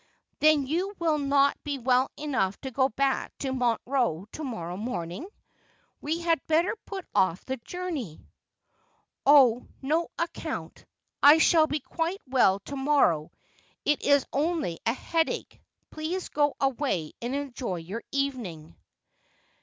' Then you will not be well enough to go back to Montreux to morrow morning ? We had better put ofE the journey.' ' On no account. I shall be quite well to morrow. It is only a headache. Please go away and enjoy your evening.'